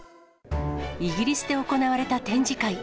イギリスで行われた展示会。